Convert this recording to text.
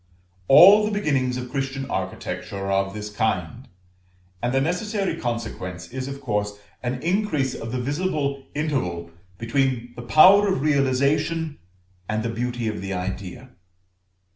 All the beginnings of Christian architecture are of this kind, and the necessary consequence is of course an increase of the visible interval between the power of realisation and the beauty of the idea.